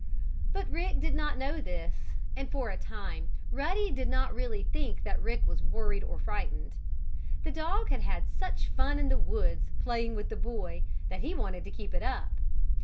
But Rick did not know this, and, for a time, Ruddy did not really think that Rick was worried or frightened. The dog had had such fun in the woods, playing with the boy, that he wanted to keep it up.